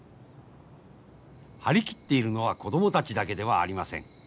張り切っているのは子供たちだけではありません。